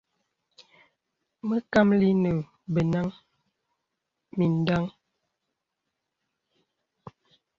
Məkàməlì nə̀ bə̀nəŋ mindàk.